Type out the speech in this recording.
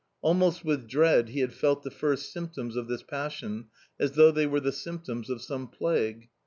Almost with dread he had felt the first symptoms of this passion, as though they were the symptoms of some plague.